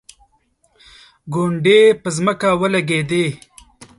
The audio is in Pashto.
ګونډې یې په ځمکه ولګېدې.